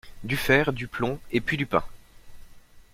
Du fer, du plomb et puis du pain!